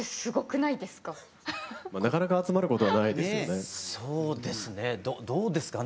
なかなか集まることはないですよね。